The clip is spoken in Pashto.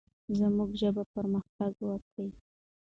زموږ ژبه پرمختګ وکړي.